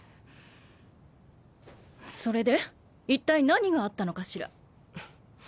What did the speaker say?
それでいったい何があったのかしら。